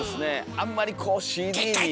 あんまりこうＣＤに。